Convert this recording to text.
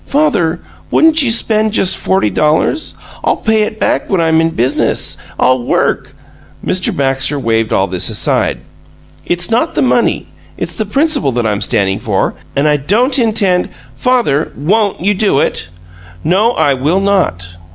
Father, wouldn't you spend just forty dollars? I'll pay it back when I'm in business; I'll work " Mr. Baxter waved all this aside. "It's not the money. It's the principle that I'm standing for, and I don't intend " "Father, WON'T you do it?" "No, I will not!"